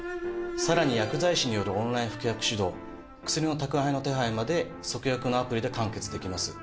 さらに薬剤師によるオンライン服薬指導薬の宅配の手配までＳＯＫＵＹＡＫＵのアプリで完結できます。